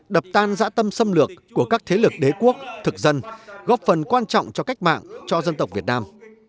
đập tan dã tâm xâm lược của các thế lực đế quốc thực dân góp phần quan trọng cho cách mạng cho dân tộc việt nam